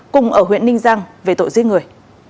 cùng ở huyện ninh giang về tội giết người